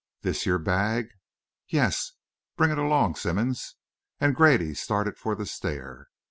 This your bag? Yes? Bring it along, Simmonds," and Grady started for the stair.